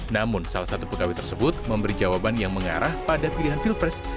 namun salah satu pegawai tersebut memberi jawaban yang mengarah pada pilihan pilpres